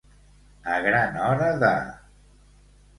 A gran hora de.